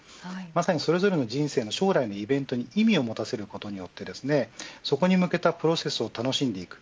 それぞれの人生の将来のイベントに意味を持たせることによってそこに向けたプロセスを楽しんでいく。